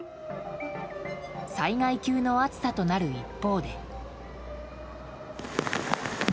災害級の暑さとなる一方で。